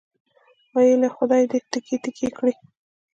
ویل یې خدای دې تیکې تیکې کړي.